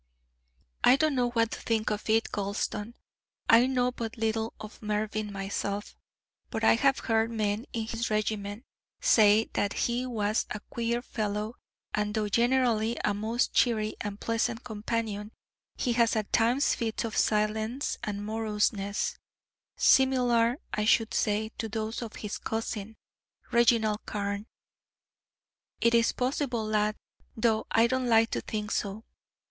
"I don't know what to think of it, Gulston; I know but little of Mervyn myself, but I have heard men in his regiment say that he was a queer fellow, and though generally a most cheery and pleasant companion, he has at times fits of silence and moroseness similar, I should say, to those of his cousin, Reginald Carne. It is possible, lad, though I don't like to think so.